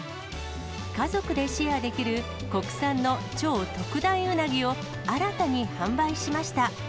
家族でシェアできる国産の超特大うなぎを新たに販売しました。